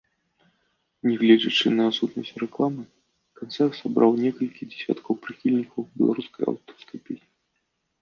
Нягледзячы на адсутнасць рэкламы, канцэрт сабраў некалькі дзесяткаў прыхільнікаў беларускай аўтарскай песні.